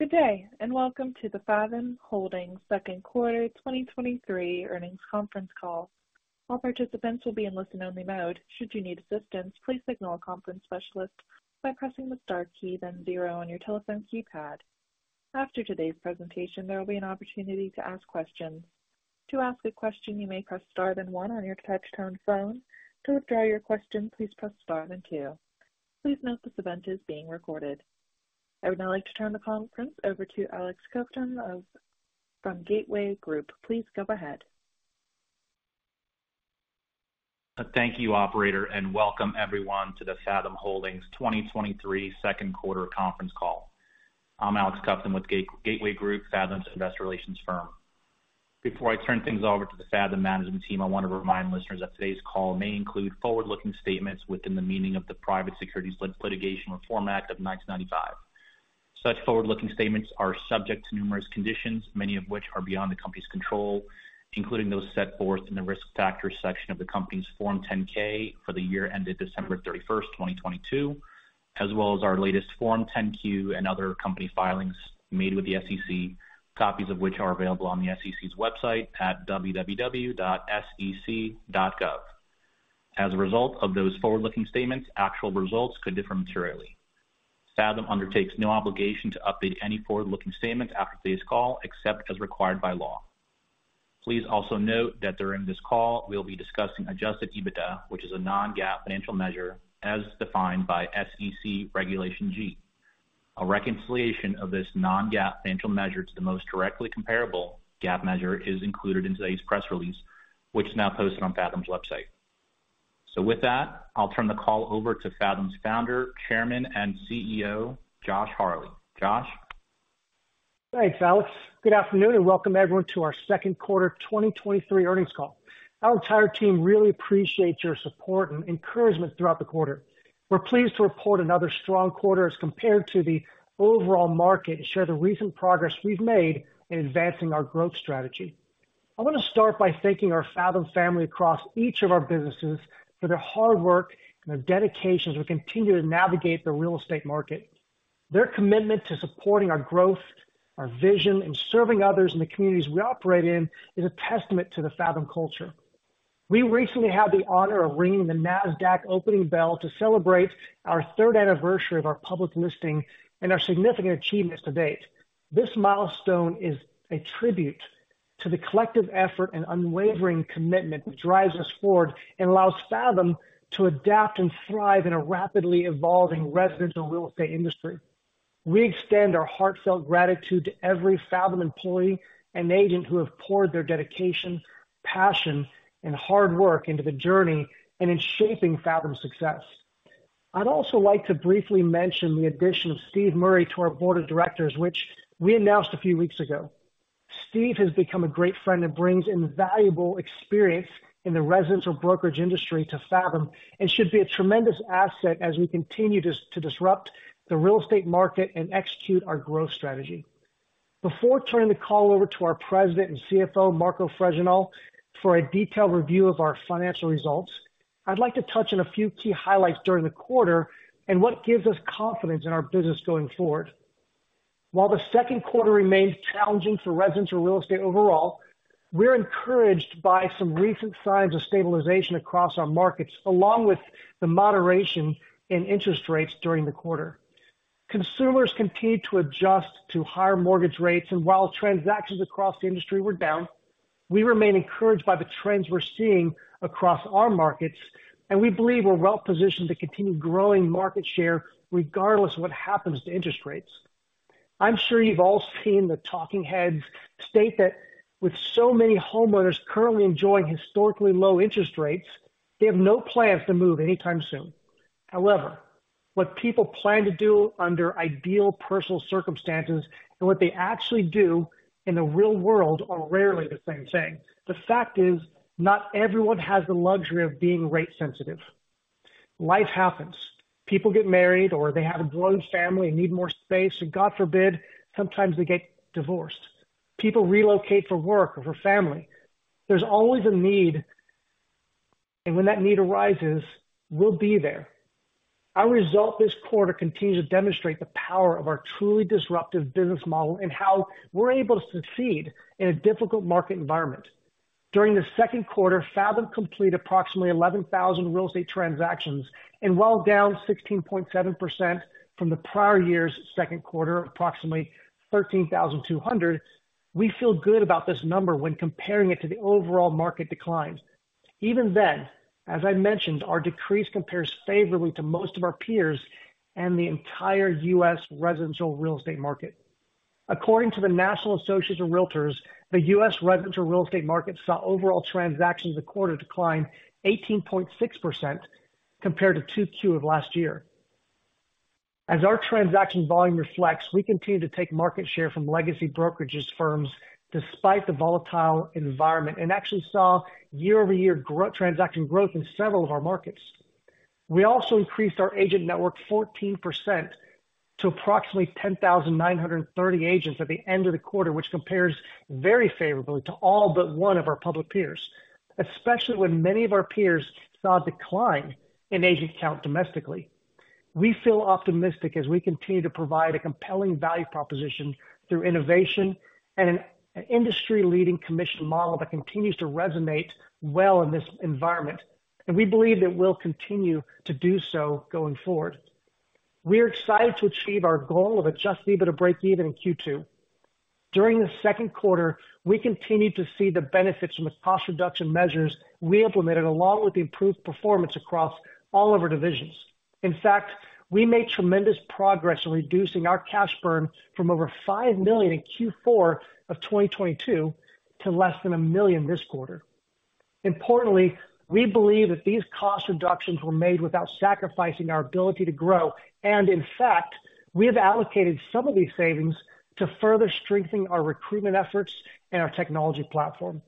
Good day, and welcome to the Fathom Holdings second quarter 2023 earnings conference call. All participants will be in listen-only mode. Should you need assistance, please signal a conference specialist by pressing the star key, then 0 on your telephone keypad. After today's presentation, there will be an opportunity to ask questions. To ask a question, you may press star then 1 on your touchtone phone. To withdraw your question, please press star then 2. Please note this event is being recorded. I would now like to turn the conference over to Alex Kovtun from Gateway Group. Please go ahead. Thank you, operator. Welcome everyone to the Fathom Holdings 2023 second quarter conference call. I'm Alex Kovtun with Gateway Group, Fathom's investor relations firm. Before I turn things over to the Fathom management team, I want to remind listeners that today's call may include forward-looking statements within the meaning of the Private Securities Litigation Reform Act of 1995. Such forward-looking statements are subject to numerous conditions, many of which are beyond the company's control, including those set forth in the Risk Factors section of the company's Form 10-K for the year ended December 31st, 2022, as well as our latest Form 10-Q and other company filings made with the SEC, copies of which are available on the SEC's website at www.sec.gov. As a result of those forward-looking statements, actual results could differ materially. Fathom undertakes no obligation to update any forward-looking statements after today's call, except as required by law. Please also note that during this call, we'll be discussing Adjusted EBITDA, which is a non-GAAP financial measure as defined by SEC Regulation G. A reconciliation of this non-GAAP financial measure to the most directly comparable GAAP measure is included in today's press release, which is now posted on Fathom's website. With that, I'll turn the call over to Fathom's Founder, Chairman, and CEO, Josh Harley. Josh? Thanks, Alex. Good afternoon, and welcome everyone to our 2nd quarter 2023 earnings call. Our entire team really appreciates your support and encouragement throughout the quarter. We're pleased to report another strong quarter as compared to the overall market, and share the recent progress we've made in advancing our growth strategy. I want to start by thanking our Fathom family across each of our businesses for their hard work and their dedication as we continue to navigate the real estate market. Their commitment to supporting our growth, our vision, and serving others in the communities we operate in, is a testament to the Fathom culture. We recently had the honor of ringing the Nasdaq opening bell to celebrate our 3rd anniversary of our public listing and our significant achievements to date. This milestone is a tribute to the collective effort and unwavering commitment that drives us forward and allows Fathom to adapt and thrive in a rapidly evolving residential real estate industry. We extend our heartfelt gratitude to every Fathom employee and agent who have poured their dedication, passion, and hard work into the journey and in shaping Fathom's success. I'd also like to briefly mention the addition of Steve O to our board of directors, which we announced a few weeks ago. Steve has become a great friend and brings invaluable experience in the residential brokerage industry to Fathom, and should be a tremendous asset as we continue to disrupt the real estate market and execute our growth strategy. Before turning the call over to our President and CFO, Marco Fregenal, for a detailed review of our financial results, I'd like to touch on a few key highlights during the quarter and what gives us confidence in our business going forward. While the second quarter remains challenging for residential real estate overall, we're encouraged by some recent signs of stabilization across our markets, along with the moderation in interest rates during the quarter. Consumers continue to adjust to higher mortgage rates, and while transactions across the industry were down, we remain encouraged by the trends we're seeing across our markets, and we believe we're well positioned to continue growing market share regardless of what happens to interest rates. I'm sure you've all seen the talking heads state that with so many homeowners currently enjoying historically low interest rates, they have no plans to move anytime soon. However, what people plan to do under ideal personal circumstances and what they actually do in the real world are rarely the same thing. The fact is, not everyone has the luxury of being rate sensitive. Life happens. People get married, or they have a growing family and need more space, and God forbid, sometimes they get divorced. People relocate for work or for family. There's always a need, and when that need arises, we'll be there. Our result this quarter continues to demonstrate the power of our truly disruptive business model and how we're able to succeed in a difficult market environment. During the second quarter, Fathom completed approximately 11,000 real estate transactions, and while down 16.7% from the prior year's second quarter, approximately 13,200, we feel good about this number when comparing it to the overall market declines. Even then, as I mentioned, our decrease compares favorably to most of our peers and the entire U.S. residential real estate market. According to the National Association of Realtors, the U.S. residential real estate market saw overall transactions the quarter decline 18.6% compared to 2Q of last year. As our transaction volume reflects, we continue to take market share from legacy brokerages firms despite the volatile environment, and actually saw year-over-year transaction growth in several of our markets. We also increased our agent network 14% to approximately 10,930 agents at the end of the quarter, which compares very favorably to all but one of our public peers especially when many of our peers saw a decline in agent count domestically. We feel optimistic as we continue to provide a compelling value proposition through innovation and an industry-leading commission model that continues to resonate well in this environment. We believe that we'll continue to do so going forward. We are excited to achieve our goal of Adjusted EBITDA breakeven in Q2. During the second quarter, we continued to see the benefits from the cost reduction measures we implemented, along with the improved performance across all of our divisions. In fact, we made tremendous progress in reducing our cash burn from over $5 million in Q4 of 2022 to less than $1 million this quarter. Importantly, we believe that these cost reductions were made without sacrificing our ability to grow. In fact, we have allocated some of these savings to further strengthen our recruitment efforts and our technology platform.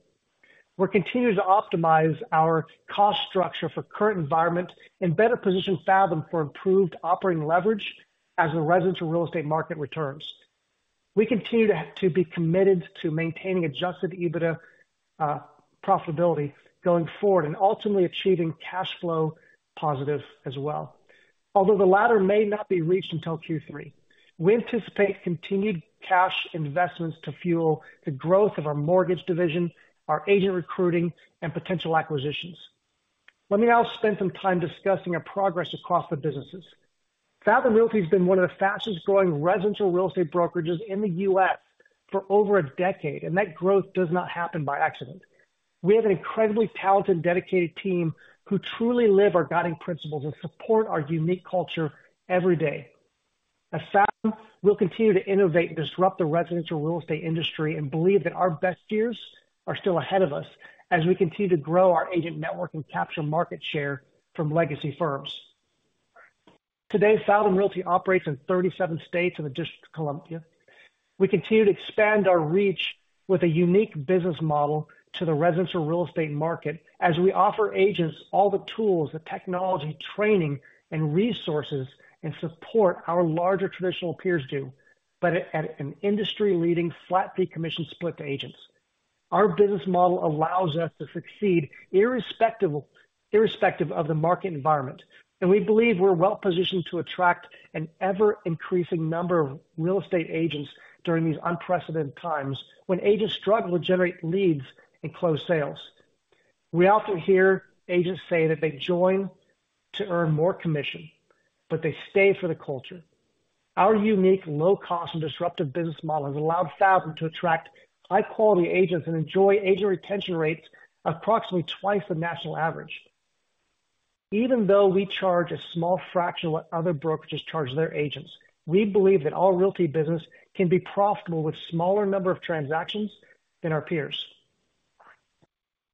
We're continuing to optimize our cost structure for current environment and better position Fathom for improved operating leverage as the residential real estate market returns. We continue to be committed to maintaining Adjusted EBITDA profitability going forward and ultimately achieving cash flow positive as well, although the latter may not be reached until Q3. We anticipate continued cash investments to fuel the growth of our mortgage division, our agent recruiting, and potential acquisitions. Let me now spend some time discussing our progress across the businesses. Fathom Realty has been one of the fastest growing residential real estate brokerages in the U.S. for over a decade. That growth does not happen by accident. We have an incredibly talented, dedicated team who truly live our guiding principles and support our unique culture every day. At Fathom, we'll continue to innovate and disrupt the residential real estate industry and believe that our best years are still ahead of us as we continue to grow our agent network and capture market share from legacy firms. Today, Fathom Realty operates in 37 states and the District of Columbia. We continue to expand our reach with a unique business model to the residential real estate market as we offer agents all the tools, the technology, training, and resources, and support our larger traditional peers do, but at, at an industry-leading flat fee commission split to agents. Our business model allows us to succeed irrespective, irrespective of the market environment, and we believe we're well positioned to attract an ever-increasing number of real estate agents during these unprecedented times when agents struggle to generate leads and close sales. We often hear agents say that they join to earn more commission, but they stay for the culture. Our unique, low-cost and disruptive business model has allowed Fathom to attract high quality agents and enjoy agent retention rates approximately twice the national average. Even though we charge a small fraction of what other brokerages charge their agents, we believe that our realty business can be profitable with smaller number of transactions than our peers.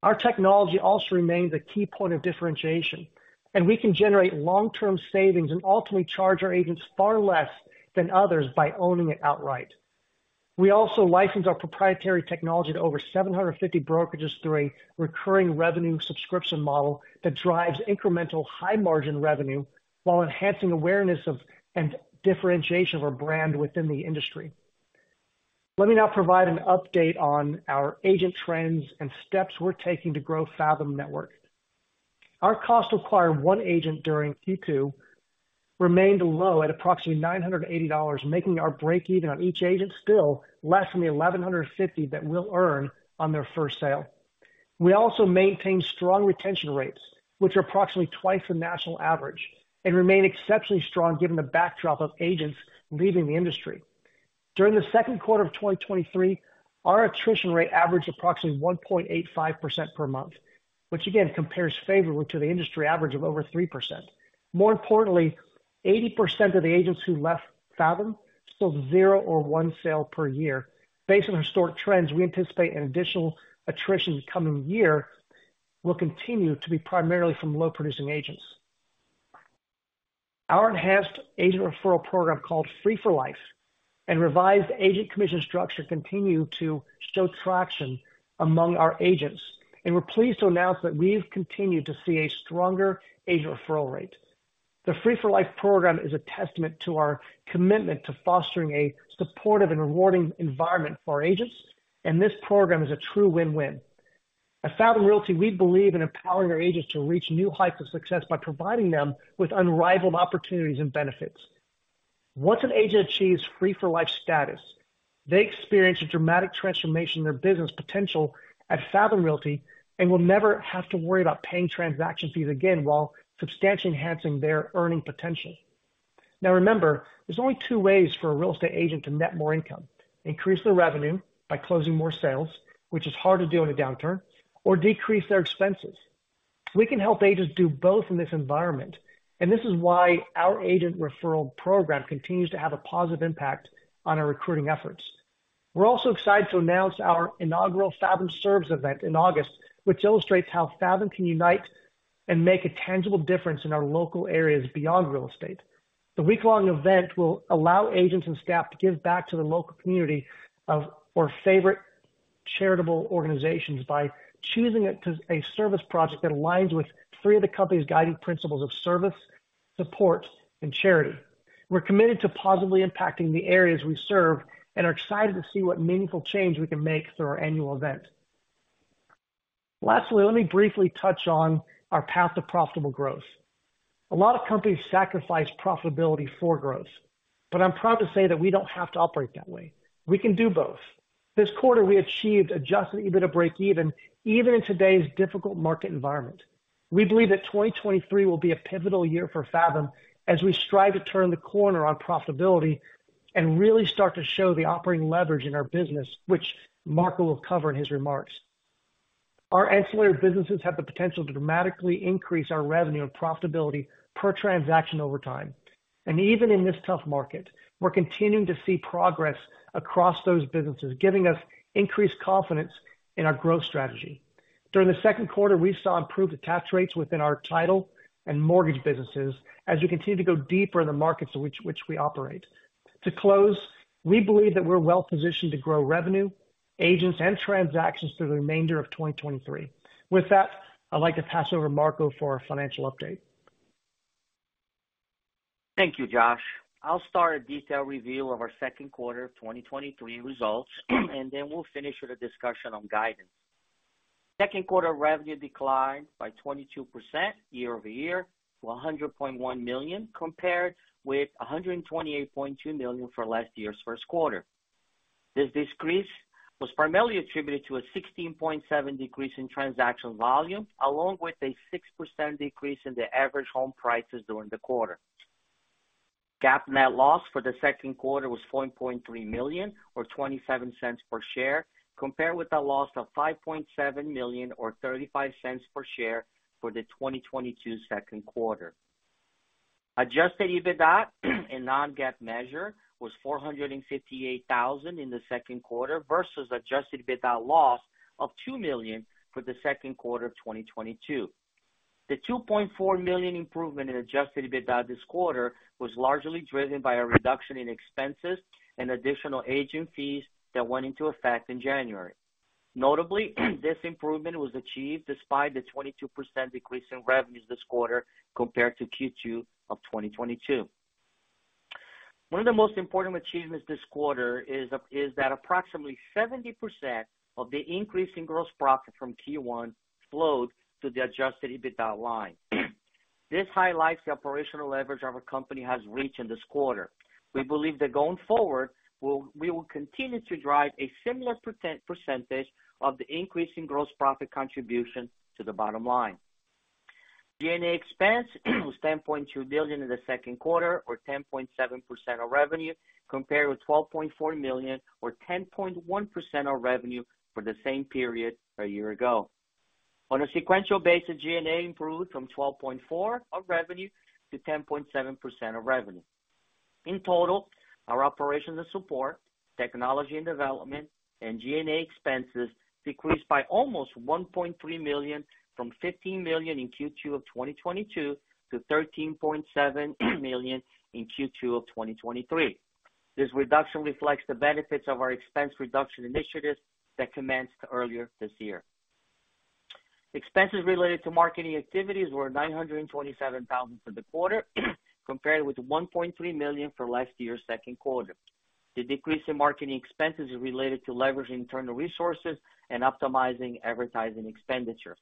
Our technology also remains a key point of differentiation, and we can generate long-term savings and ultimately charge our agents far less than others by owning it outright. We also license our proprietary technology to over 750 brokerages through a recurring revenue subscription model that drives incremental high margin revenue while enhancing awareness of and differentiation of our brand within the industry. Let me now provide an update on our agent trends and steps we're taking to grow Fathom network. Our cost to acquire one agent during Q2 remained low at approximately $980, making our breakeven on each agent still less than the $1,150 that we'll earn on their first sale. We also maintain strong retention rates, which are approximately twice the national average and remain exceptionally strong given the backdrop of agents leaving the industry. During the second quarter of 2023, our attrition rate averaged approximately 1.85% per month, which again, compares favorably to the industry average of over 3%. More importantly, 80% of the agents who left Fathom sold zero or one sale per year. Based on historic trends, we anticipate an additional attrition coming year will continue to be primarily from low-producing agents. Our enhanced agent referral program, called FREE4Life, and revised agent commission structure continue to show traction among our agents. We're pleased to announce that we've continued to see a stronger agent referral rate. The FREE4Life program is a testament to our commitment to fostering a supportive and rewarding environment for our agents. This program is a true win-win. At Fathom Realty, we believe in empowering our agents to reach new heights of success by providing them with unrivaled opportunities and benefits. Once an agent achieves FREE4Life status, they experience a dramatic transformation in their business potential at Fathom Realty and will never have to worry about paying transaction fees again while substantially enhancing their earning potential. Remember, there's only two ways for a real estate agent to net more income: increase their revenue by closing more sales, which is hard to do in a downturn or decrease their expenses. We can help agents do both in this environment. This is why our agent referral program continues to have a positive impact on our recruiting efforts. We're also excited to announce our inaugural Fathom Serves event in August, which illustrates how Fathom can unite and make a tangible difference in our local areas beyond real estate. The week-long event will allow agents and staff to give back to the local community of our favorite charitable organizations by choosing a service project that aligns with three of the company's guiding principles of service, support, and charity. We're committed to positively impacting the areas we serve and are excited to see what meaningful change we can make through our annual event. Lastly, let me briefly touch on our path to profitable growth. A lot of companies sacrifice profitability for growth, but I'm proud to say that we don't have to operate that way. We can do both. This quarter, we achieved Adjusted EBITDA breakeven, even in today's difficult market environment. We believe that 2023 will be a pivotal year for Fathom, as we strive to turn the corner on profitability and really start to show the operating leverage in our business, which Marco will cover in his remarks. Our ancillary businesses have the potential to dramatically increase our revenue and profitability per transaction over time. Even in this tough market, we're continuing to see progress across those businesses, giving us increased confidence in our growth strategy. During the second quarter, we saw improved attach rates within our title and mortgage businesses as we continue to go deeper in the markets which, which we operate. To close, we believe that we're well positioned to grow revenue, agents, and transactions through the remainder of 2023. With that, I'd like to pass over to Marco for our financial update. Thank you, Josh. I'll start a detailed review of our second quarter 2023 results. Then we'll finish with a discussion on guidance. Second quarter revenue declined by 22% year-over-year to $100.1 million, compared with $128.2 million for last year's first quarter. This decrease was primarily attributed to a 16.7% decrease in transaction volume, along with a 6% decrease in the average home prices during the quarter. GAAP net loss for the second quarter was $4.3 million, or $0.27 per share, compared with a loss of $5.7 million, or $0.35 per share for the 2022 second quarter. Adjusted EBITDA, a non-GAAP measure, was $458,000 in the second quarter, versus Adjusted EBITDA loss of $2 million for the second quarter of 2022. The $2.4 million improvement in Adjusted EBITDA this quarter was largely driven by a reduction in expenses and additional agent fees that went into effect in January. Notably, this improvement was achieved despite the 22% decrease in revenues this quarter compared to Q2 of 2022. One of the most important achievements this quarter is that approximately 70% of the increase in gross profit from Q1 flowed to the Adjusted EBITDA line. This highlights the operational leverage our company has reached in this quarter. We believe that going forward, we will continue to drive a similar percentage of the increase in gross profit contribution to the bottom line. G&A expense was $10.2 billion in the second quarter, or 10.7% of revenue, compared with $12.4 million, or 10.1% of revenue for the same period a year ago. On a sequential basis, G&A improved from 12.4 of revenue to 10.7% of revenue. In total, our operations and support, technology and development, and G&A expenses decreased by almost $1.3 million, from $15 million in Q2 of 2022 to $13.7 million in Q2 of 2023. This reduction reflects the benefits of our expense reduction initiatives that commenced earlier this year. Expenses related to marketing activities were $927,000 for the quarter, compared with $1.3 million for last year's second quarter. The decrease in marketing expenses is related to leveraging internal resources and optimizing advertising expenditures.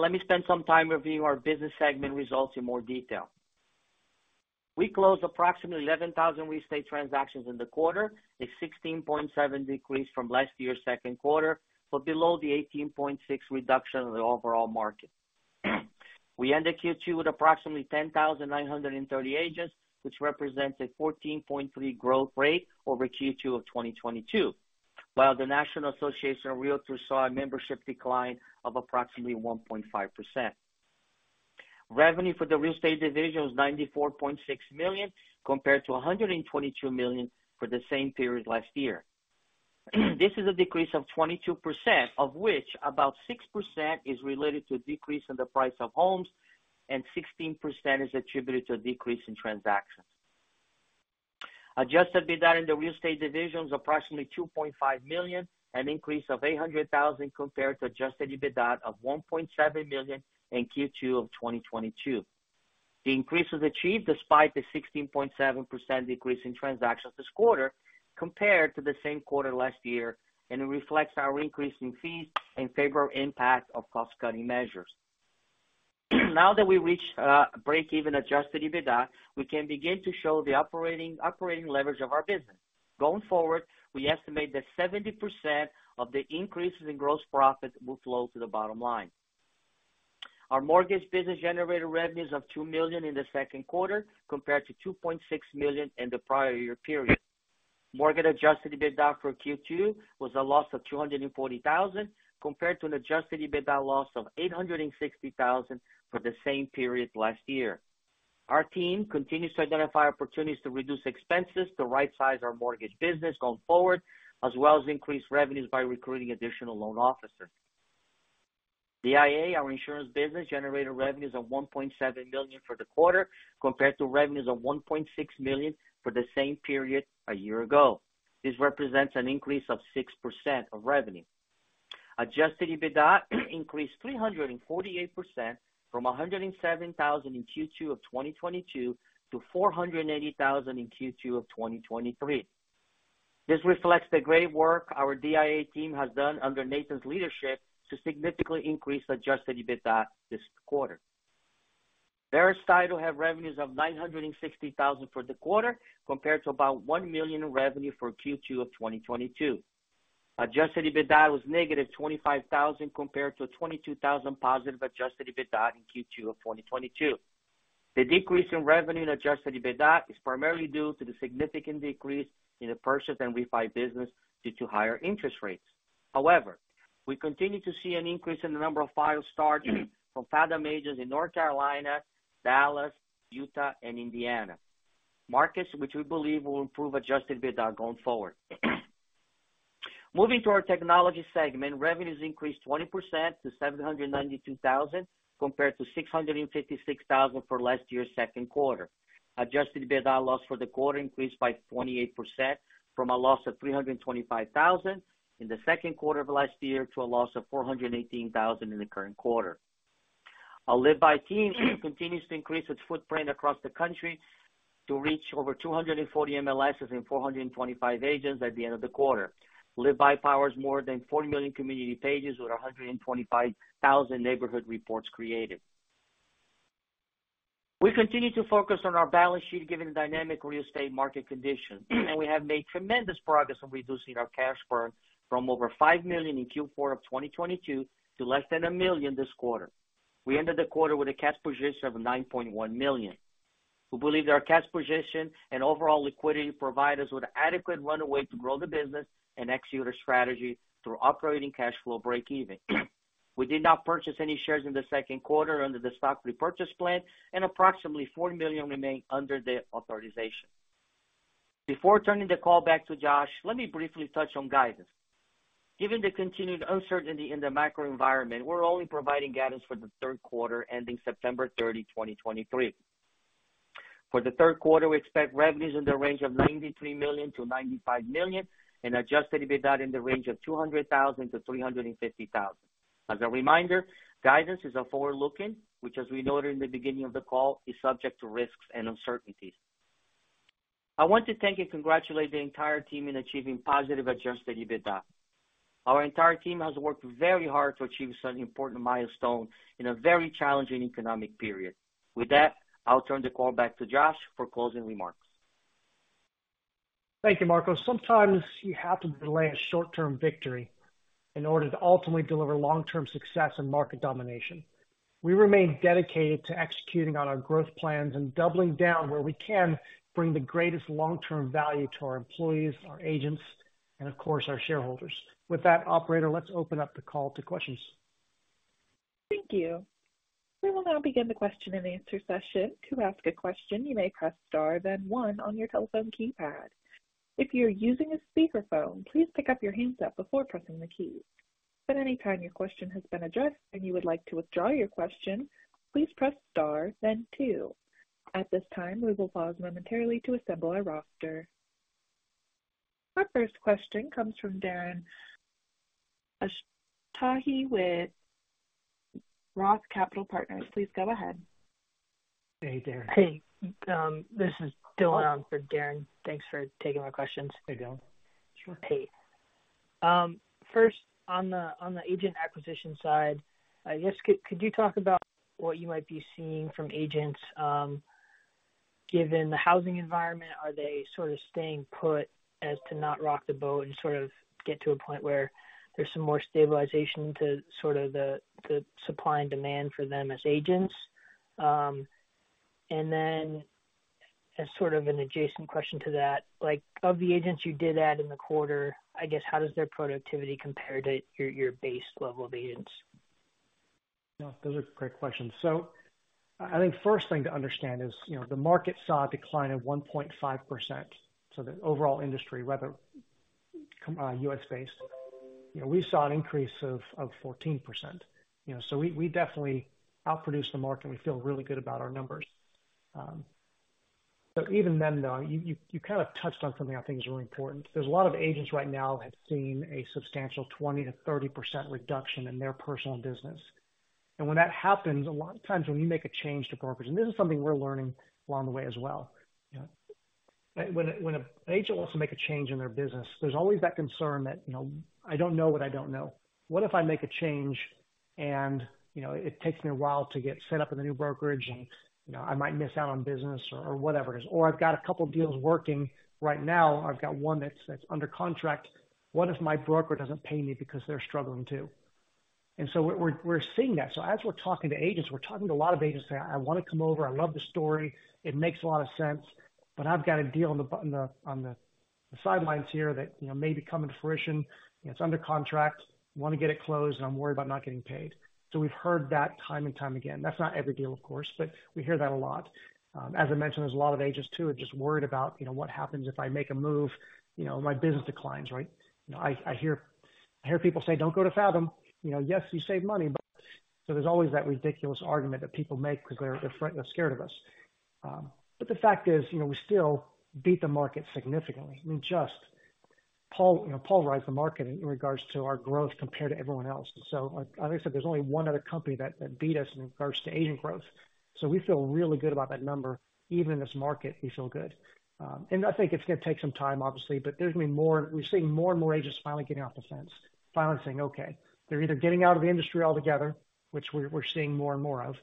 Let me spend some time reviewing our business segment results in more detail. We closed approximately 11,000 Real Estate transactions in the quarter, a 16.7% decrease from last year's second quarter, but below the 18.6% reduction in the overall market. We ended Q2 with approximately 10,930 agents, which represents a 14.3% growth rate over Q2 of 2022, while the National Association of Realtors saw a membership decline of approximately 1.5%. Revenue for the Real Estate division was $94.6 million, compared to $122 million for the same period last year. This is a decrease of 22%, of which about 6% is related to a decrease in the price of homes and 16% is attributed to a decrease in transactions. Adjusted EBITDA in the real estate division is approximately $2.5 million, an increase of $800,000 compared to Adjusted EBITDA of $1.7 million in Q2 of 2022. The increase was achieved despite the 16.7% decrease in transactions this quarter compared to the same quarter last year. It reflects our increase in fees and favorable impact of cost-cutting measures. Now that we reached breakeven Adjusted EBITDA, we can begin to show the operating, operating leverage of our business. Going forward, we estimate that 70% of the increases in gross profit will flow to the bottom line. Our mortgage business generated revenues of $2 million in the second quarter, compared to $2.6 million in the prior year period. Mortgage adjusted EBITDA for Q2 was a loss of $240,000, compared to an adjusted EBITDA loss of $860,000 for the same period last year. Our team continues to identify opportunities to reduce expenses to rightsize our mortgage business going forward, as well as increase revenues by recruiting additional loan officers. DIA, our insurance business, generated revenues of $1.7 million for the quarter, compared to revenues of $1.6 million for the same period a year ago. This represents an increase of 6% of revenue. Adjusted EBITDA increased 348% from $107,000 in Q2 of 2022 to $480,000 in Q2 of 2023. This reflects the great work our DIA team has done under Nathan's leadership to significantly increase adjusted EBITDA this quarter. Verus Title have revenues of $960,000 for the quarter, compared to about $1 million in revenue for Q2 of 2022. Adjusted EBITDA was -$25,000, compared to $22,000 positive Adjusted EBITDA in Q2 of 2022. The decrease in revenue and Adjusted EBITDA is primarily due to the significant decrease in the purchase and refi business due to higher interest rates. However, we continue to see an increase in the number of files starting from Fathom agents in North Carolina, Dallas, Utah, and Indiana. Markets which we believe will improve Adjusted EBITDA going forward. Moving to our technology segment, revenues increased 20% to $792,000, compared to $656,000 for last year's second quarter. Adjusted EBITDA loss for the quarter increased by 28% from a loss of $325,000 in the second quarter of last year to a loss of $418,000 in the current quarter. Our LiveBy team continues to increase its footprint across the country to reach over 240 MLSs and 425 agents at the end of the quarter. LiveBy powers more than 40 million community pages, with 125,000 neighborhood reports created. We continue to focus on our balance sheet, given the dynamic Real Estate market conditions, and we have made tremendous progress on reducing our cash burn from over $5 million in Q4 of 2022 to less than $1 million this quarter. We ended the quarter with a cash position of $9.1 million. We believe our cash position and overall liquidity provide us with adequate runway to grow the business and execute a strategy through operating cash flow break even. We did not purchase any shares in the second quarter under the stock repurchase plan, and approximately $4 million remain under the authorization. Before turning the call back to Josh, let me briefly touch on guidance. Given the continued uncertainty in the macro environment, we're only providing guidance for the third quarter, ending September 30, 2023. For the third quarter, we expect revenues in the range of $93 million-$95 million and Adjusted EBITDA in the range of $200,000-$350,000. As a reminder, guidance is a forward-looking, which, as we noted in the beginning of the call, is subject to risks and uncertainties. I want to thank and congratulate the entire team in achieving positive Adjusted EBITDA. Our entire team has worked very hard to achieve such an important milestone in a very challenging economic period. With that, I'll turn the call back to Josh for closing remarks. Thank you, Marco. Sometimes you have to delay a short-term victory in order to ultimately deliver long-term success and market domination. We remain dedicated to executing on our growth plans and doubling down where we can bring the greatest long-term value to our employees, our agents, and of course, our shareholders. With that, operator, let's open up the call to questions. Thank you. We will now begin the question and answer session. To ask a question, you may press Star, then one on your telephone keypad. If you're using a speakerphone, please pick up your handset before pressing the key. At any time your question has been addressed, and you would like to withdraw your question, please press Star, then two. At this time, we will pause momentarily to assemble our roster. Our first question comes from Darren Aftahi with Roth Capital Partners. Please go ahead. Hey, Darren. Hey, this is Dylan for Darren. Thanks for taking my questions. Hey, Dylan. Sure. Hey, first, on the, on the agent acquisition side, I guess, could you talk about what you might be seeing from agents, given the housing environment? Are they sort of staying put as to not rock the boat and sort of get to a point where there's some more stabilization to sort of the, the supply and demand for them as agents? Then as sort of an adjacent question to that, like, of the agents you did add in the quarter, I guess, how does their productivity compare to your, your base level of agents? No, those are great questions. I think first thing to understand is, you know, the market saw a decline of 1.5%. The overall industry, whether U.S.-based, you know, we saw an increase of 14%. You know, we definitely outproduced the market, and we feel really good about our numbers. Even then, though, you kind of touched on something I think is really important. There's a lot of agents right now have seen a substantial 20%-30% reduction in their personal business. When that happens, a lot of times when you make a change to brokerage, and this is something we're learning along the way as well, you know, when an agent wants to make a change in their business, there's always that concern that, you know, I don't know what I don't know. What if I make a change and, you know, it takes me a while to get set up in the new brokerage and, you know, I might miss out on business or, or whatever it is, or I've got a couple deals working right now? I've got one that's under contract. What if my broker doesn't pay me because they're struggling, too? We're seeing that. As we're talking to agents, we're talking to a lot of agents saying: "I want to come over. I love the story. It makes a lot of sense, but I've got a deal on the sidelines here that, you know, may be coming to fruition. It's under contract. I want to get it closed, and I'm worried about not getting paid." We've heard that time and time again. That's not every deal, of course, but we hear that a lot. As I mentioned, there's a lot of agents, too, are just worried about, you know, what happens if I make a move, you know, my business declines, right? You know, I, I hear, I hear people say, "Don't go to Fathom. You know, yes, you save money, but..." There's always that ridiculous argument that people make because they're scared of us. The fact is, you know, we still beat the market significantly. We just polar- you know, polarized the market in regards to our growth compared to everyone else. Like I said, there's only one other company that, that beat us in regards to agent growth. We feel really good about that number. Even in this market, we feel good. And I think it's going to take some time, obviously, but there's going to be more-- We're seeing more and more agents finally getting off the fence, finally saying, "Okay." They're either getting out of the industry altogether, which we're, we're seeing more and more of,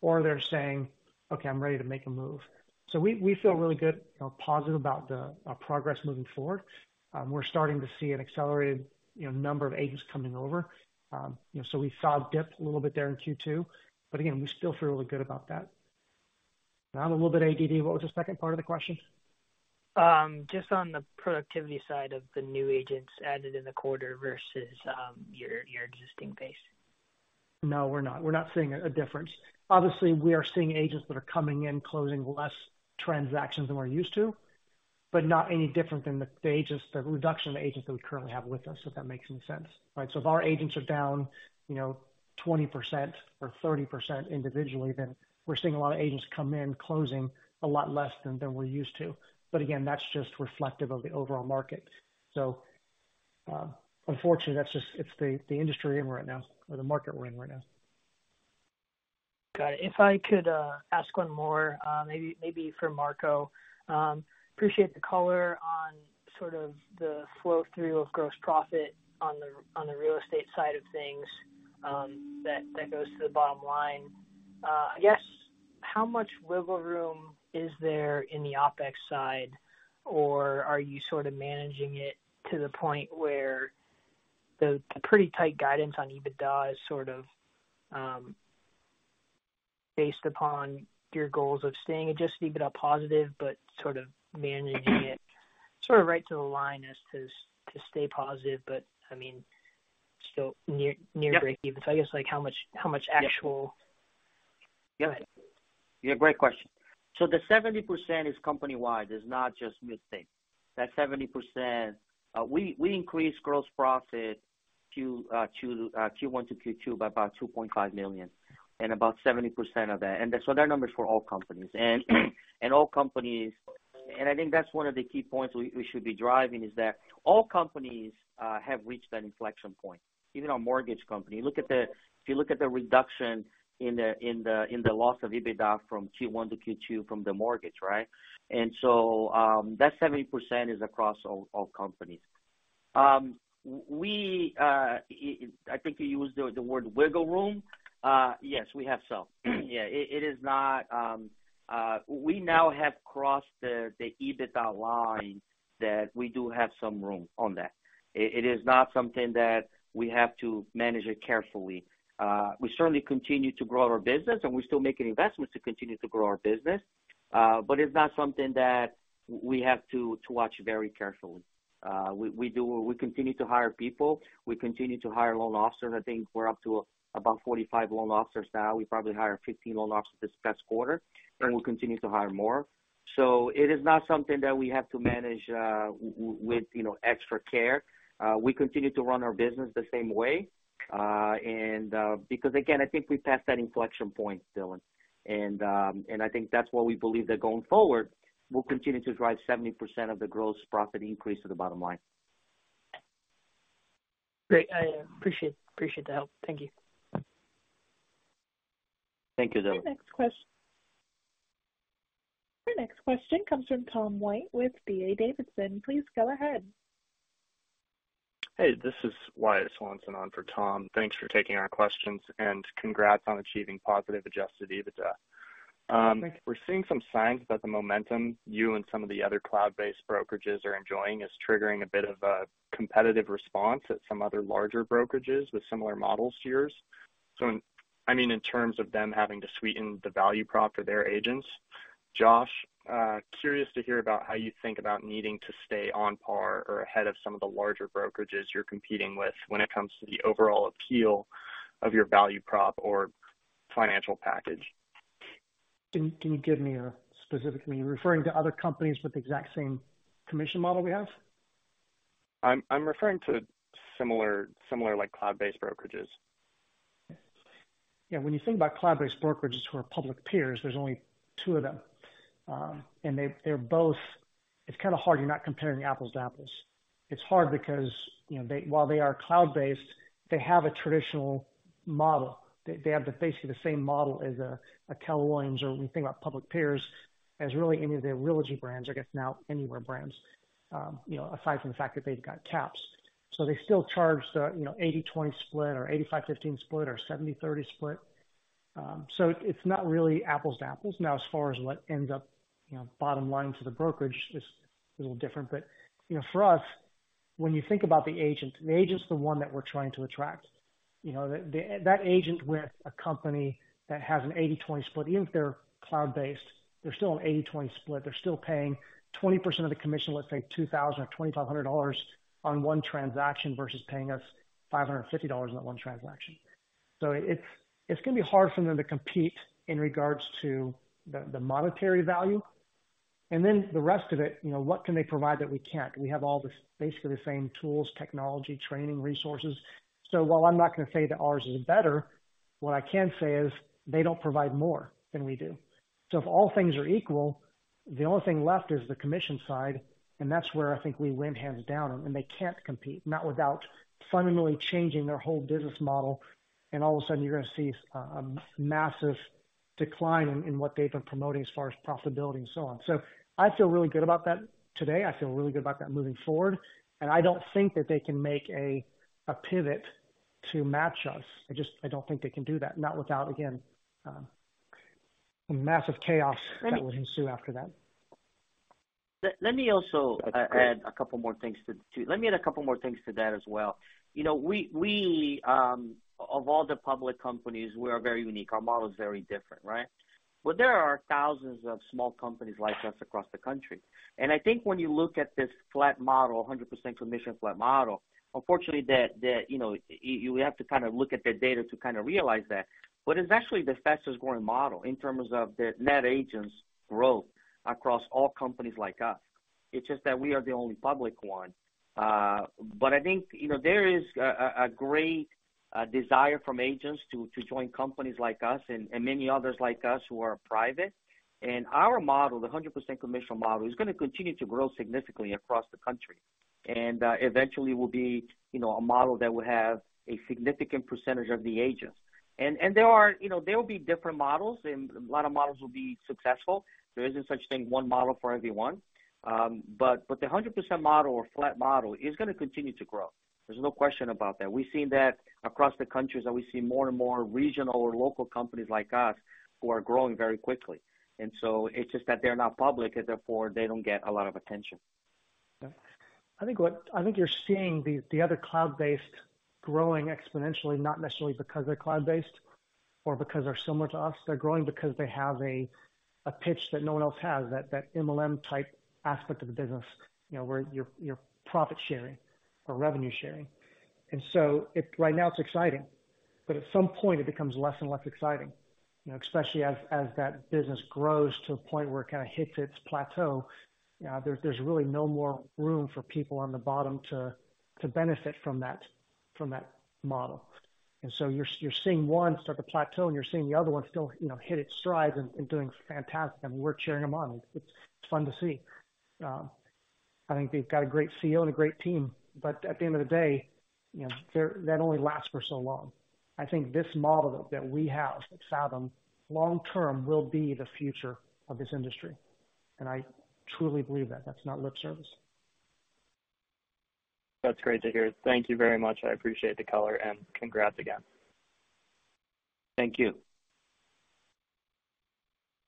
or they're saying, "Okay, I'm ready to make a move." We, we feel really good, you know, positive about the progress moving forward. We're starting to see an accelerated, you know, number of agents coming over. you know, we saw a dip a little bit there in Q2, but again, we still feel really good about that. I'm a little bit ADD, what was the second part of the question? Just on the productivity side of the new agents added in the quarter versus, your, your existing base. No, we're not. We're not seeing a difference. Obviously, we are seeing agents that are coming in, closing less transactions than we're used to, but not any different than the agents, the reduction of agents that we currently have with us, if that makes any sense. Right? If our agents are down, you know, 20% or 30% individually, then we're seeing a lot of agents come in closing a lot less than, than we're used to. Again, that's just reflective of the overall market. Unfortunately, that's just it's the, the industry we're in right now or the market we're in right now. Got it. If I could ask one more, maybe, maybe for Marco. Appreciate the color on sort of the flow-through of gross profit on the Real Estate side of things, that, that goes to the bottom line. I guess, how much wiggle room is there in the OpEx side? Or are you sort of managing it to the point where the pretty tight guidance on EBITDA is sort of based upon your goals of staying Adjusted EBITDA positive, but sort of managing it sort of right to the line as to, to stay positive, but I mean, still near, near breakeven? Yep. I guess, like, how much, how much actual. Yeah. Yeah, great question. The 70% is company-wide, it's not just Midstate. That 70%, we, we increased gross profit Q, Q, Q1 to Q2 by about $2.5 million, and about 70% of that. So that number is for all companies. All companies-- I think that's one of the key points we, we should be driving, is that all companies have reached that inflection point, even our mortgage company. Look at the- if you look at the reduction in the, in the, in the loss of EBITDA from Q1 to Q2, from the mortgage, right? So, that 70% is across all, all companies. W-we, I think you used the, the word wiggle room. Yes, we have some. Yeah, it is not. We now have crossed the EBITDA line, that we do have some room on that. It is not something that we have to manage it carefully. We certainly continue to grow our business, and we're still making investments to continue to grow our business, but it's not something that we have to watch very carefully. We continue to hire people, we continue to hire loan officers. I think we're up to about 45 loan officers now. We probably hire 15 loan officers this past quarter, and we'll continue to hire more. It is not something that we have to manage, with, you know, extra care. We continue to run our business the same way, because, again, I think we passed that inflection point, Dylan. I think that's why we believe that going forward, we'll continue to drive 70% of the gross profit increase to the bottom line. Great. I appreciate, appreciate the help. Thank you. Thank you, Dylan. Our next question comes from Tom White with D.A. Davidson. Please go ahead. Hey, this is Wyatt Swanson on for Tom. Thanks for taking our questions, congrats on achieving positive Adjusted EBITDA. Thank you. We're seeing some signs that the momentum you and some of the other cloud-based brokerages are enjoying is triggering a bit of a competitive response at some other larger brokerages with similar models to yours. I mean, in terms of them having to sweeten the value prop for their agents. Josh, curious to hear about how you think about needing to stay on par or ahead of some of the larger brokerages you're competing with when it comes to the overall appeal of your value prop or financial package. Can, can you give me a specifically? You're referring to other companies with the exact same commission model we have? I'm referring to similar, similar, like, cloud-based brokerages. Yeah. When you think about cloud-based brokerages who are public peers, there's only 2 of them. They, they're both. It's kind of hard, you're not comparing apples to apples. It's hard because, you know, they, while they are cloud-based, they have a traditional model. They, they have the, basically the same model as a, a Keller Williams, or when you think about public peers, as really any of their Realogy brands, I guess now Anywhere brands, you know, aside from the fact that they've got caps. They still charge the, you know, 80-20 split or 85-15 split, or 70-30 split. It's not really apples to apples. Now, as far as what ends up, you know, bottom line for the brokerage, is a little different. You know, for us, when you think about the agent, the agent's the one that we're trying to attract. You know, that agent with a company that has an 80-20 split, even if they're cloud-based, they're still an 80-20 split. They're still paying 20% of the commission, let's say $2,000 or $2,500 on 1 transaction versus paying us $550 on that 1 transaction. It's, it's going to be hard for them to compete in regards to the monetary value. Then the rest of it, you know, what can they provide that we can't? We have all the basically the same tools, technology, training, resources. While I'm not going to say that ours is better, what I can say is they don't provide more than we do. If all things are equal, the only thing left is the commission side, and that's where I think we win hands down, and they can't compete, not without fundamentally changing their whole business model. All of a sudden, you're going to see a massive decline in, in what they've been promoting as far as profitability and so on. I feel really good about that today. I feel really good about that moving forward, and I don't think that they can make a pivot to match us. I just, I don't think they can do that. Not without, again, massive chaos that will ensue after that. Let me also add a couple more things to that as well. You know, we, we, of all the public companies, we are very unique. Our model is very different, right? There are thousands of small companies like us across the country. I think when you look at this flat model, 100% commission flat model, unfortunately, that, you know, you have to kind of look at the data to kind of realize that. It's actually the fastest growing model in terms of the net agents growth across all companies like us. It's just that we are the only public one. I think, you know, there is a great desire from agents to join companies like us and many others like us who are private. Our model, the 100% commission model, is going to continue to grow significantly across the country. Eventually will be, you know, a model that will have a significant percentage of the agents. There are, you know, there will be different models, and a lot of models will be successful. There isn't such thing, one model for everyone. But the 100% model or flat model is going to continue to grow. There's no question about that. We've seen that across the country, as we see more and more regional or local companies like us who are growing very quickly. It's just that they're not public, and therefore, they don't get a lot of attention. I think you're seeing the, the other cloud-based growing exponentially, not necessarily because they're cloud-based or because they're similar to us. They're growing because they have a, a pitch that no one else has, that, that MLM-type aspect of the business, you know, where you're, you're profit sharing or revenue sharing. Right now, it's exciting, but at some point, it becomes less and less exciting, you know, especially as, as that business grows to a point where it kind of hits its plateau. There's, there's really no more room for people on the bottom to, to benefit from that, from that model. You're, you're seeing one start to plateau, and you're seeing the other one still, you know, hit its stride and, and doing fantastic. We're cheering them on. It's, it's fun to see. I think they've got a great CEO and a great team, but at the end of the day, you know, that only lasts for so long. I think this model that we have at Fathom, long term, will be the future of this industry, and I truly believe that. That's not lip service. That's great to hear. Thank you very much. I appreciate the color, and congrats again. Thank you.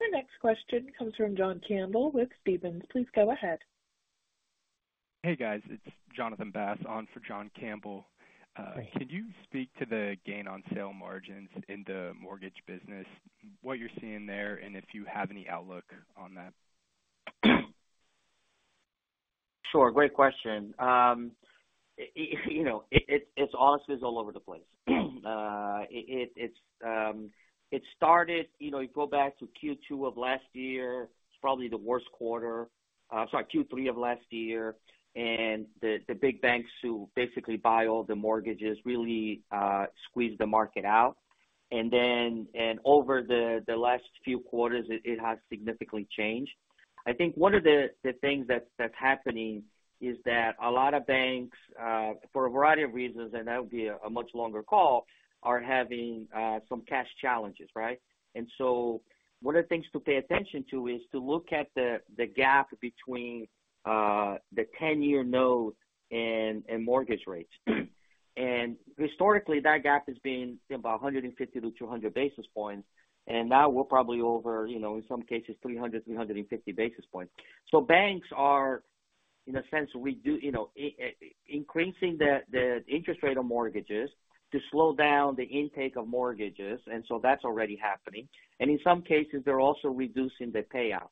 Our next question comes from John Campbell with Stephens. Please go ahead. Hey, guys, it's Jonathan Bass, on for John Campbell. Hi. Could you speak to the gain on sale margins in the mortgage business, what you're seeing there, and if you have any outlook on that? Sure. Great question. you know, it, it's honestly is all over the place. it, it, it's, it started, you know, you go back to Q2 of last year, it's probably the worst quarter. sorry, Q3 of last year. The, the big banks who basically buy all the mortgages really squeezed the market out. Over the, the last few quarters, it, it has significantly changed. I think one of the, the things that's, that's happening is that a lot of banks, for a variety of reasons, and that would be a much longer call, are having, some cash challenges, right? One of the things to pay attention to is to look at the, the gap between, the 10-year note and, and mortgage rates. Historically, that gap has been about 150 to 200 basis points, and now we're probably over, you know, in some cases, 300, 350 basis points. Banks are, in a sense, you know, increasing the interest rate on mortgages to slow down the intake of mortgages, and so that's already happening. In some cases, they're also reducing the payout.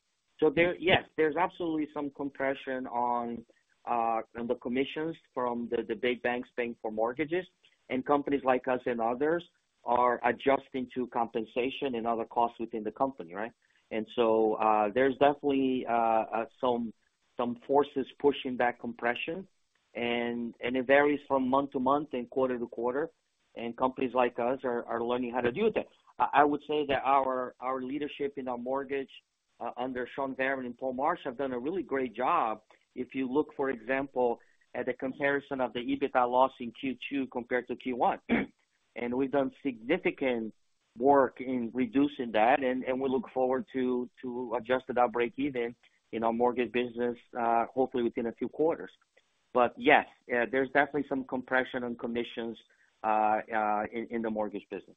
There, yes, there's absolutely some compression on the commissions from the big banks paying for mortgages. Companies like us and others are adjusting to compensation and other costs within the company, right? There's definitely some forces pushing back compression, and it varies from month to month and quarter to quarter, and companies like us are learning how to do that. I would say that our, our leadership in our mortgage, under Shawn Varin and Paul Marsh, have done a really great job. If you look, for example, at the comparison of the EBITDA loss in Q2 compared to Q1. We've done significant work in reducing that, and we look forward to adjusting our break even in our mortgage business, hopefully within a few quarters. Yes, there's definitely some compression on commissions in the mortgage business.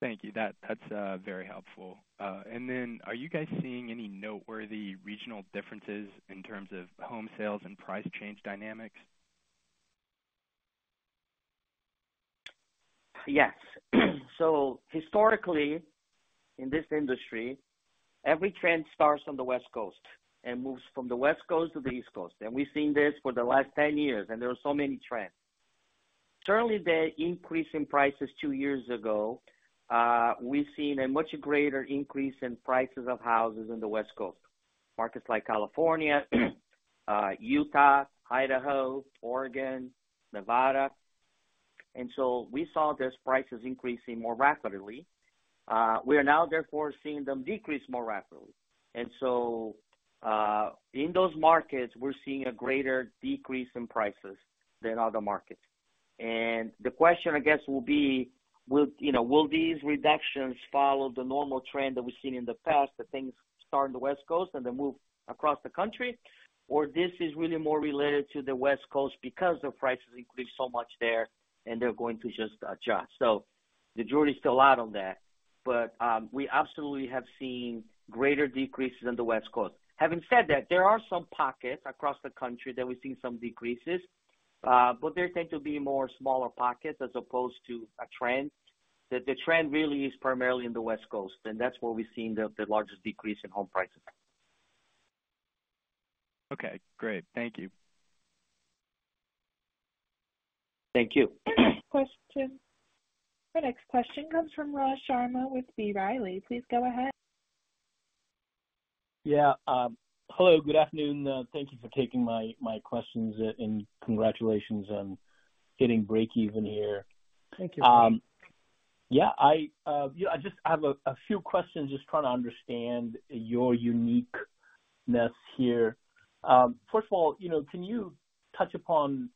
Thank you. That, that's very helpful. Then are you guys seeing any noteworthy regional differences in terms of home sales and price change dynamics? Yes. Historically, in this industry, every trend starts on the West Coast and moves from the West Coast to the East Coast. We've seen this for the last 10 years, and there are so many trends. Certainly, the increase in prices 2 years ago, we've seen a much greater increase in prices of houses in the West Coast. Markets like California, Utah, Idaho, Oregon, Nevada. We saw these prices increasing more rapidly. We are now therefore seeing them decrease more rapidly. In those markets, we're seeing a greater decrease in prices than other markets. The question, I guess, will be, will, you know, will these reductions follow the normal trend that we've seen in the past, that things start in the West Coast and then move across the country? This is really more related to the West Coast because the prices increased so much there, and they're going to just adjust. The jury is still out on that. We absolutely have seen greater decreases in the West Coast. Having said that, there are some pockets across the country that we've seen some decreases, but they tend to be more smaller pockets as opposed to a trend. The trend really is primarily in the West Coast, and that's where we've seen the largest decrease in home prices. Okay, great. Thank you. Thank you. Next question. Our next question comes from Raj Sharma with B. Riley. Please go ahead. Yeah. Hello, good afternoon. Thank you for taking my, my questions. Congratulations on getting breakeven here. Thank you. Yeah, I, you know, I just have a few questions, just trying to understand your uniqueness here. First of all, you know, can you touch upon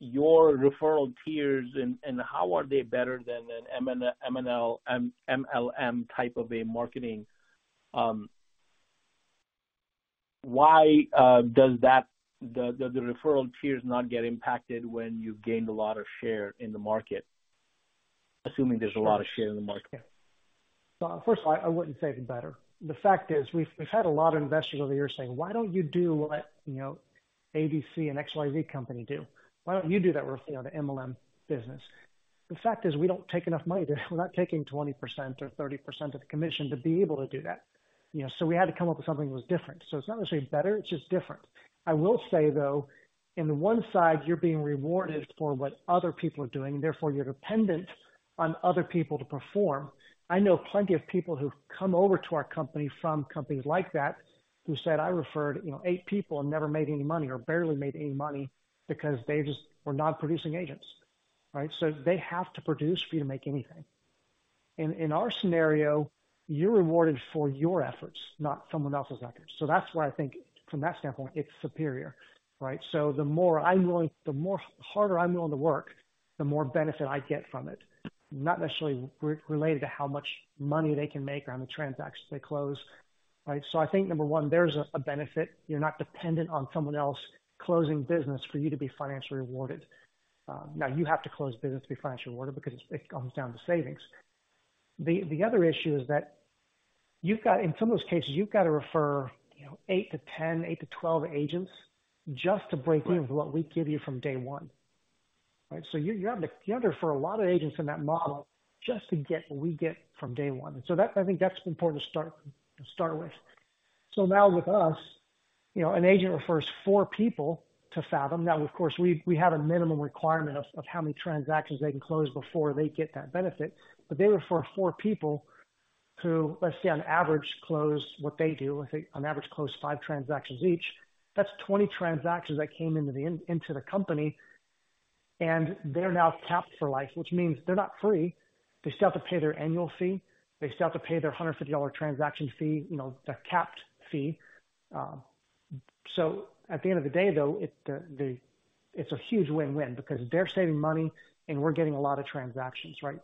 your referral tiers and how are they better than an MLM type of a marketing? Why the referral tiers not get impacted when you've gained a lot of share in the market, assuming there's a lot of share in the market? Well, first of all, I wouldn't say they're better. The fact is, we've, we've had a lot of investors over the years saying: Why don't you do what, you know, ABC and XYZ company do? Why don't you do that with, you know, the MLM business? The fact is, we don't take enough money. We're not taking 20% or 30% of the commission to be able to do that, you know, so we had to come up with something that was different. It's not necessarily better, it's just different. I will say, though, in the one side, you're being rewarded for what other people are doing, and therefore you're dependent on other people to perform. I know plenty of people who've come over to our company from companies like that, who said, "I referred, you know, 8 people and never made any money, or barely made any money," because they just were not producing agents, right? So they have to produce for you to make anything. In, in our scenario, you're rewarded for your efforts, not someone else's efforts. That's why I think from that standpoint, it's superior, right? The more, harder I'm willing to work, the more benefit I get from it. Not necessarily re-related to how much money they can make or how many transactions they close, right? I think, number 1, there's a, a benefit. You're not dependent on someone else closing business for you to be financially rewarded. Now, you have to close business to be financially rewarded because it, it comes down to savings. The, the other issue is that you've got... In some of those cases, you've got to refer, you know, 8-10, 8-12 agents just to break even with what we give you from day 1, right? You, you have to refer a lot of agents in that model just to get what we get from day 1. That- I think that's important to start, to start with. Now with us, you know, an agent refers 4 people to Fathom. Now, of course, we, we have a minimum requirement of, of how many transactions they can close before they get that benefit. They refer 4 people who, let's say, on average, close what they do. I think on average, close 5 transactions each. That's 20 transactions that came into the into the company, and they're now capped for life, which means they're not free. They still have to pay their annual fee. They still have to pay their $150 transaction fee, you know, the capped fee. At the end of the day, though, it, it's a huge win-win because they're saving money, and we're getting a lot of transactions, right?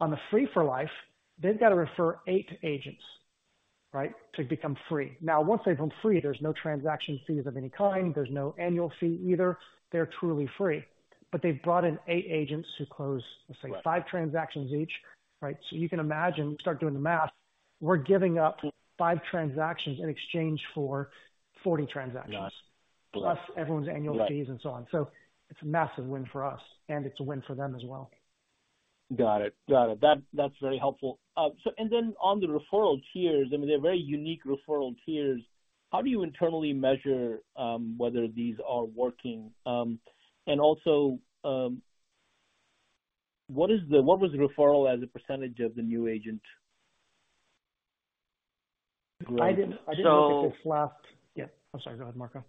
On the free for life, they've got to refer 8 agents, right, to become free. Once they've gone free, there's no transaction fees of any kind. There's no annual fee either. They're truly free. They've brought in 8 agents who close, let's say, 5 transactions each, right? You can imagine, start doing the math. We're giving up 5 transactions in exchange for 40 transactions. Got it. plus everyone's annual fees and so on. Got it. It's a massive win for us, and it's a win for them as well. Got it. Got it. That, that's very helpful. On the referral tiers, I mean, they're very unique referral tiers. How do you internally measure whether these are working? Also, what was the referral as a percentage of the new agent? I didn't- So- I didn't look at this last... Yeah, I'm sorry. Go ahead, Marco.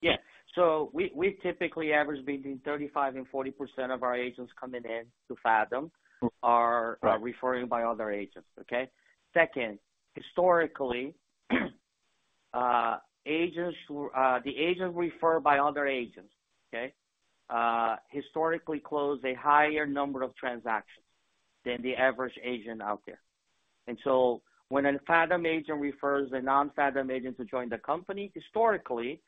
Yeah. So we, we typically average between 35 and 40% of our agents coming in to Fathom are, referring by other agents, okay? Second, historically, agents who, the agents referred by other agents, okay, historically close a higher number of transactions than the average agent out there. When a Fathom agent refers a non-Fathom agent to join the company, historically,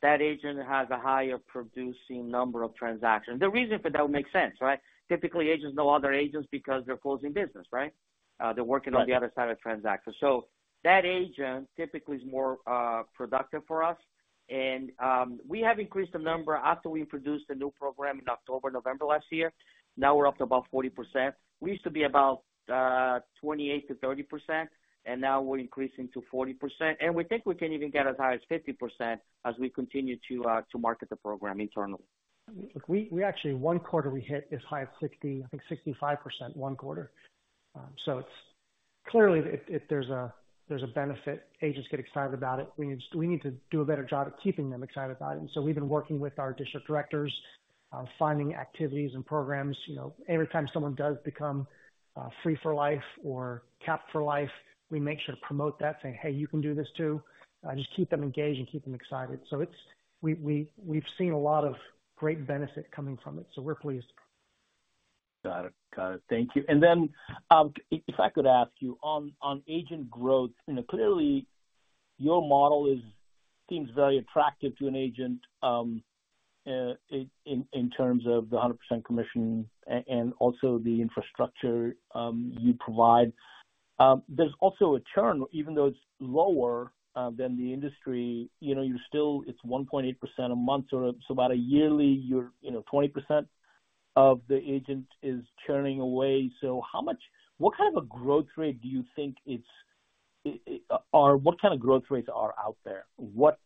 that agent has a higher producing number of transactions. The reason for that would make sense, right? Typically, agents know other agents because they're closing business, right? They're working- Right. - on the other side of transactions. That agent typically is more productive for us. We have increased the number after we introduced the new program in October, November last year. Now we're up to about 40%. We used to be about 28%-30%, and now we're increasing to 40%. We think we can even get as high as 50% as we continue to market the program internally. We actually one quarter, we hit as high as 60, I think 65%, one quarter. It's clearly, if there's a benefit, agents get excited about it. We need to, we need to do a better job of keeping them excited about it. We've been working with our District Directors, finding activities and programs. You know, every time someone does become FREE4Life or Cap4Life, we make sure to promote that, saying, "Hey, you can do this too." Just keep them engaged and keep them excited. We've seen a lot of great benefit coming from it, so we're pleased. Got it. Got it. Thank you. If I could ask you on, on agent growth, you know, clearly your model is seems very attractive to an agent in terms of the 100% commission and also the infrastructure you provide. There's also a churn, even though it's lower than the industry, you know, you still. It's 1.8% a month, or so about a yearly, you're, you know, 20% of the agent is churning away. How much what kind of a growth rate do you think it's or what kind of growth rates are out there? What,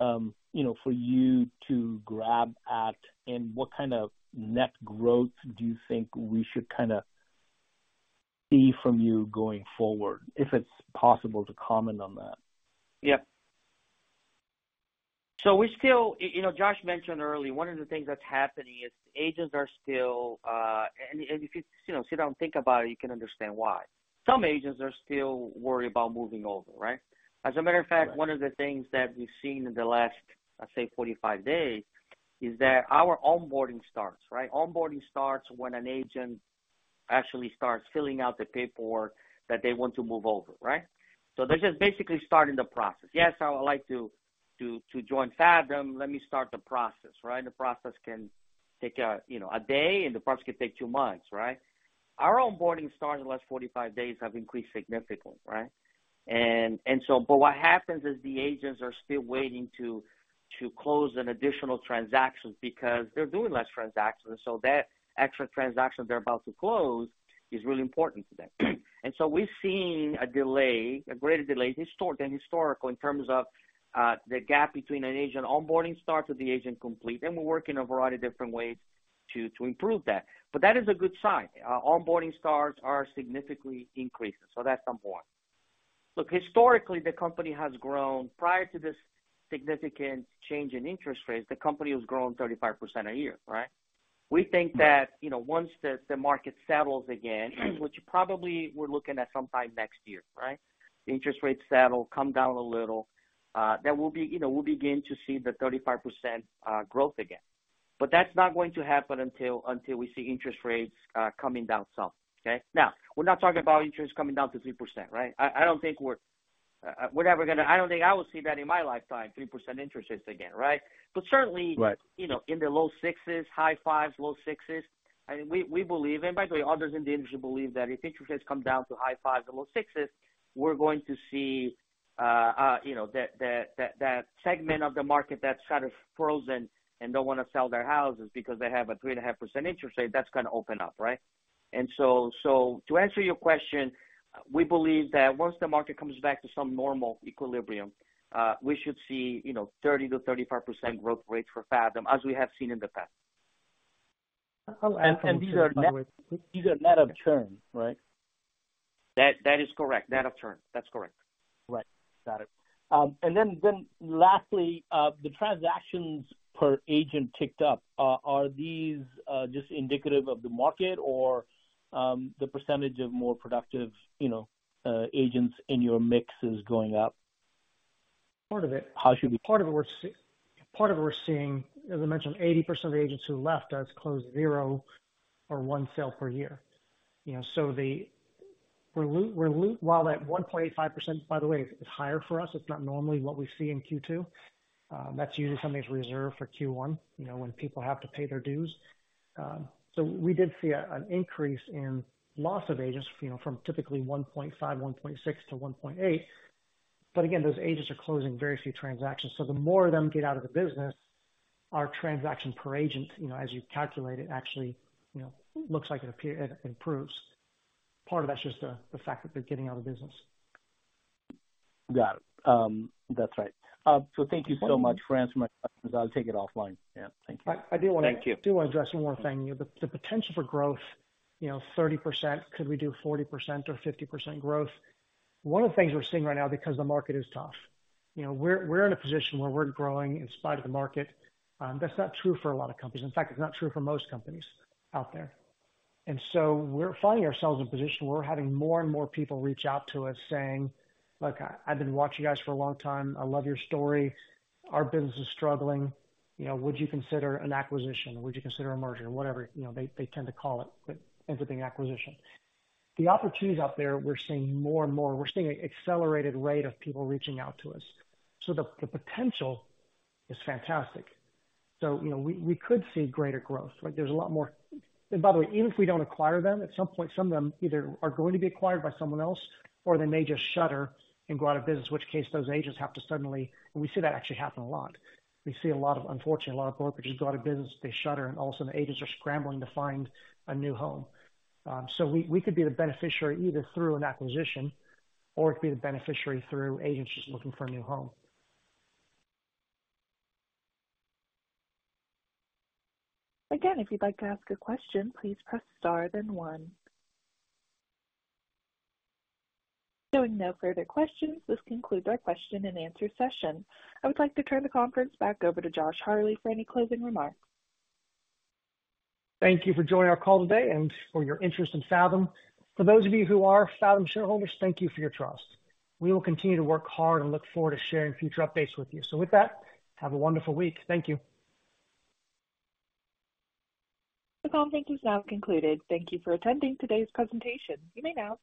you know, for you to grab at, and what kind of net growth do you think we should kind of see from you going forward? If it's possible to comment on that. Yep. We still... you know, Josh mentioned earlier, 1 of the things that's happening is agents are still, and if you, you know, sit down and think about it, you can understand why. Some agents are still worried about moving over, right? As a matter of fact, 1 of the things that we've seen in the last, I'd say 45 days, is that our onboarding starts, right? Onboarding starts when an agent actually starts filling out the paperwork that they want to move over, right? They're just basically starting the process. "Yes, I would like to join Fathom. Let me start the process," right? The process can take a day, and the process can take 2 months, right? Our onboarding starts in the last 45 days have increased significantly, right? What happens is the agents are still waiting to, to close an additional transactions because they're doing less transactions, so that extra transaction they're about to close is really important to them. We've seen a delay, a greater delay, than historical, in terms of the gap between an agent onboarding start to the agent complete. We're working a variety of different ways to, to improve that. That is a good sign. Onboarding starts are significantly increasing, so that's important. Look, historically, the company has grown. Prior to this significant change in interest rates, the company has grown 35% a year, right? We think that, you know, once the, the market settles again, which probably we're looking at sometime next year, right? The interest rates settle, come down a little, then we'll be, you know, we'll begin to see the 35% growth again. That's not going to happen until, until we see interest rates, coming down some. Okay? We're not talking about interest coming down to 3%, right? I, I don't think we're, we're ever gonna... I don't think I will see that in my lifetime, 3% interest rates again, right? Certainly- Right. you know, in the low sixes, high fives, low sixes, I mean, we, we believe, and by the way, others in the industry believe that if interest rates come down to high fives and low sixes, we're gonna see, you know, that, that, that, that segment of the market that's kind of frozen and don't want to sell their houses because they have a 3.5% interest rate, that's gonna open up, right? So, to answer your question, we believe that once the market comes back to some normal equilibrium, we should see, you know, 30%-35% growth rates for Fathom, as we have seen in the past. I'll add from this, by the way. These are net of churn, right? That, that is correct. Net of churn. That's correct. Right. Got it. Lastly, the transactions per agent ticked up. Are these just indicative of the market or the percentage of more productive, you know, agents in your mix is going up? Part of it. How should Part of it we're seeing, as I mentioned, 80% of the agents who left us closed 0 or 1 sale per year. You know, while that 1.85%, by the way, is higher for us, it's not normally what we see in Q2. That's usually something that's reserved for Q1, you know, when people have to pay their dues. We did see an increase in loss of agents, you know, from typically 1.5, 1.6 to 1.8. Again, those agents are closing very few transactions. The more of them get out of the business, our transaction per agent, you know, as you calculate it, actually, you know, looks like it improves. Part of that's just the fact that they're getting out of business. Got it. That's right. Thank you so much for answering my questions. I'll take it offline. Yeah, thank you. I do want to- Thank you. do want to address 1 more thing. The potential for growth, you know, 30%, could we do 40% or 50% growth? One of the things we're seeing right now, because the market is tough, you know, we're, we're in a position where we're growing in spite of the market. That's not true for a lot of companies. In fact, it's not true for most companies out there. So we're finding ourselves in a position where we're having more and more people reach out to us, saying, "Look, I, I've been watching you guys for a long time. I love your story. Our business is struggling. You know, would you consider an acquisition? Would you consider a merger?" Whatever, you know, they, they tend to call it, but ends up being acquisition. The opportunities out there, we're seeing more and more. We're seeing an accelerated rate of people reaching out to us. The potential is fantastic. You know, we could see greater growth, like, there's a lot more. By the way, even if we don't acquire them, at some point, some of them either are going to be acquired by someone else or they may just shutter and go out of business, which case those agents have to suddenly. We see that actually happen a lot. We see a lot of, unfortunately, a lot of brokerages go out of business, they shutter, and all of a sudden, agents are scrambling to find a new home. So we could be the beneficiary, either through an acquisition or it could be the beneficiary through agents just looking for a new home. Again, if you'd like to ask a question, please press Star, then one. Seeing no further questions, this concludes our question and answer session. I would like to turn the conference back over to Josh Harley for any closing remarks. Thank you for joining our call today and for your interest in Fathom. For those of you who are Fathom shareholders, thank you for your trust. We will continue to work hard and look forward to sharing future updates with you. With that, have a wonderful week. Thank you. The call thank you is now concluded. Thank you for attending today's presentation. You may now disconnect.